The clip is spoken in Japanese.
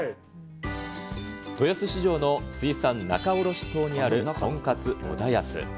豊洲市場の水産仲卸棟にある、とんかつ小田保。